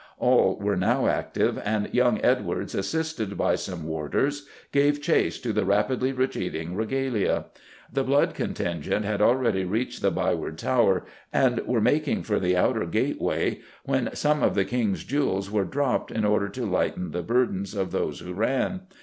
All were now active, and young Edwards, assisted by some warders, gave chase to the rapidly retreating regalia. The Blood contingent had already reached the Byward Tower and were making for the outer gateway when some of the King's jewels were dropped in order to lighten the burdens of those who ran.